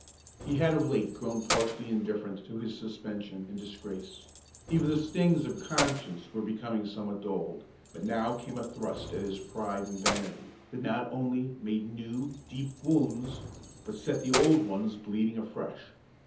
He had of late grown partially indifferent to his suspension and disgrace; even the stings of conscience were becoming somewhat dulled; but now came a thrust at his pride and vanity that not only made new, deep wounds, but set the old ones bleeding afresh.